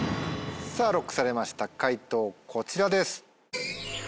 さぁＬＯＣＫされました解答こちらです。